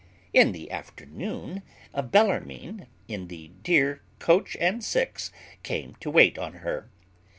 In the afternoon, Bellarmine, in the dear coach and six, came to wait on her.